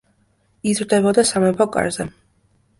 იზრდებოდა სამეფო კარზე.